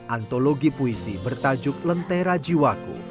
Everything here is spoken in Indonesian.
antologi puisi bertajuk lentera jiwaku